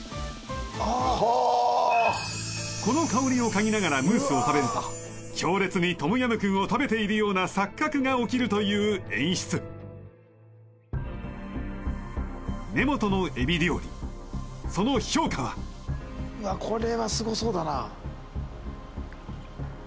ああーはあーこの香りを嗅ぎながらムースを食べると強烈にトムヤムクンを食べているような錯覚が起きるという演出根本の海老料理その評価はうわこれはすごそうだな